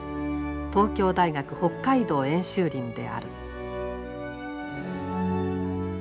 東京大学北海道演習林である。